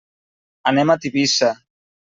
Anem a Tivissa.